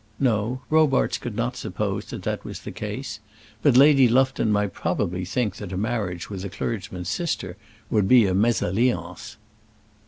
No; Robarts could not suppose that that was the case; but Lady Lufton might probably think that a marriage with a clergyman's sister would be a mésalliance.